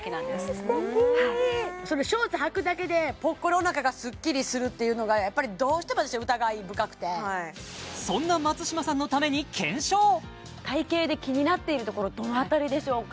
素敵それショーツはくだけでぽっこりお腹がスッキリするっていうのがやっぱりどうしても私疑い深くてそんな松嶋さんのために検証体形で気になっているところどの辺りでしょうか？